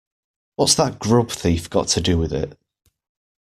What's that grub-thief got to do with it.